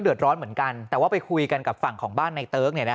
ร้อนเหมือนกันแต่ว่าไปคุยกันกับฝั่งของบ้านในเติ๊ก